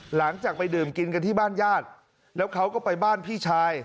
หลังจากไปดื่มกินกันที่บ้านญาติแล้วเขาก็ไปบ้านพี่ชาย